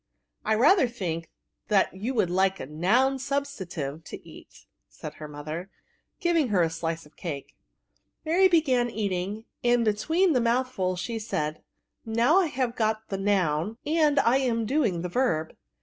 *^ I rather thiok you wonld like a noun sttbstantiye to eat/* said her mother, giving her a sliee of cake. Mary began eating, and, between the mouthfols, she said, « Now I have got the noun, and I am doing the verb.